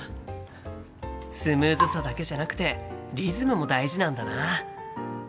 スムーズさだけじゃなくてリズムも大事なんだな。